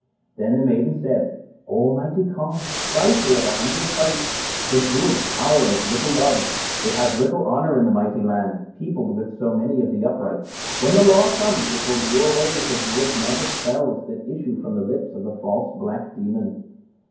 Then the maiden said: "Oh, mighty Conn, fighter of a hundred fights, the Druid's power is little loved; it has little honour in the mighty land, peopled with so many of the upright. When the Law will come, it will do away with the Druid's magic spells that come from the lips of the false black demon."